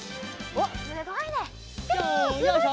おっすごいね！